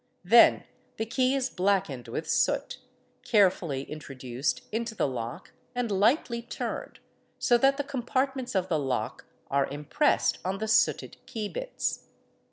Then the key is blackened with soot, carefally in troduced into the lock, and lightly turned, so that the compartments of the lock are impressed on the sooted key bits.